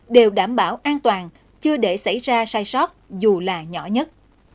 đều đảm bảo an toàn chưa để xảy ra sai sót dù là nhỏ nhất